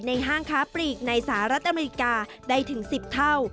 ห้างค้าปลีกในสหรัฐอเมริกาได้ถึง๑๐เท่า